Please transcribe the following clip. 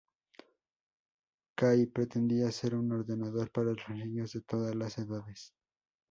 Kay pretendía hacer un ordenador para los niños de todas las edades.